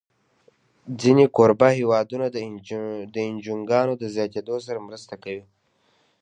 ځینې کوربه هېوادونه د انجوګانو له زیاتېدو سره مرسته کوي.